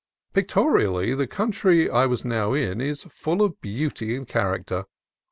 Pictorially, the country I was now in is full of beauty and character.